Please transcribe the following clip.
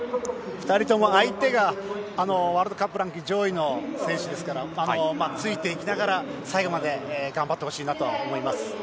２人とも相手がワールドカップランキングで上位の選手ですからついていきながら最後まで頑張ってほしいと思います。